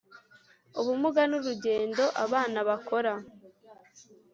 ubumuga n urugendo abana bakora